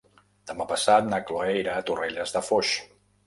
Demà passat na Cloè irà a Torrelles de Foix.